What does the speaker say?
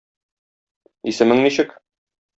Исемең ничек?